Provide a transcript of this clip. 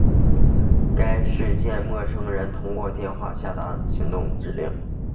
该事件由一名陌生人通过电话下达行动指令。